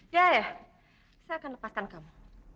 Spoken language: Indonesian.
ya ya saya akan lepaskan kamu